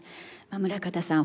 村方さん